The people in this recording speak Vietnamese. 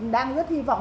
đang rất hy vọng